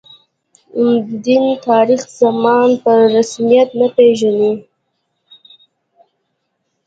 دین، تاریخي زمان په رسمیت نه پېژني.